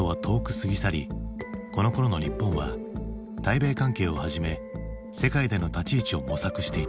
過ぎ去りこのころの日本は対米関係をはじめ世界での立ち位置を模索していた。